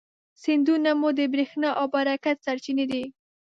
سیندونه مو د برېښنا او برکت سرچینې دي.